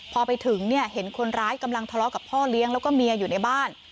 พอไปถึงเนี่ยเห็นคนร้ายกำลังทะเลาะกับพ่อเลี้ยงแล้วก็เมียอยู่ในบ้าน